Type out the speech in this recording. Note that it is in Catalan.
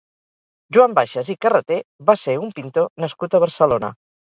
Joan Baixas i Carreter va ser un pintor nascut a Barcelona.